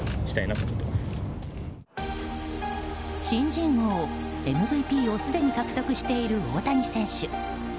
新人王、ＭＶＰをすでに獲得している大谷選手。